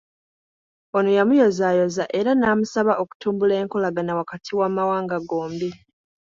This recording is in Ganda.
Ono yamuyozaayoza era n'amusaba okutumbula enkolagana wakati w'amawanga gombi.